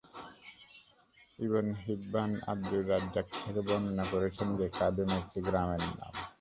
Ibn Hibban Abdur Razzaq থেকে বর্ণনা করেছেন যে, কাদূম একটা গ্রামের নাম।